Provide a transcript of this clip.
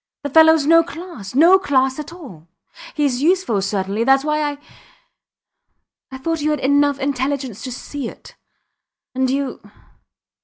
The fellows no class no class at all. Hes useful, certainly, thats why I ... I thought you had enough intelligence to see it. ... And you